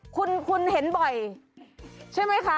คุณเห็นบ่อยใช่ไหมคะ